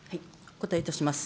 お答えいたします。